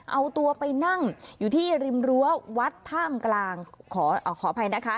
เอาตัวไปนั่งอยู่ที่ริมรั้ววัดท่ามกลางขออภัยนะคะ